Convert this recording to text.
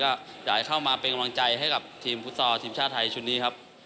ก็อยากให้เข้ามาเป็นกำลังใจให้กับทีมฟุตซอลทีมชาติไทยชุดนี้ครับ